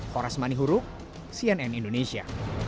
horas manihuruk cnn indonesia